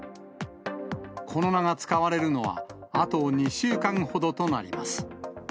この名が使われるのは、あと２週間ほどとなります。